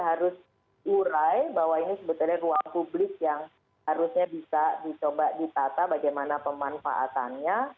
harus urai bahwa ini sebetulnya ruang publik yang harusnya bisa dicoba ditata bagaimana pemanfaatannya